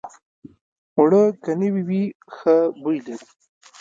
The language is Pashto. اوړه که نوي وي، ښه بوی لري